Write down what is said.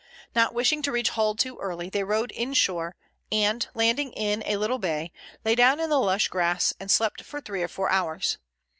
Not wishing to reach Hull too early, they rowed inshore and, landing in a little bay, lay down in the lush grass and slept for three or four hours.